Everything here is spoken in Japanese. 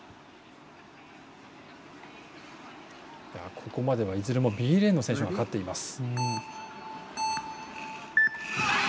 ここまではいずれもＢレーンの選手が勝っています。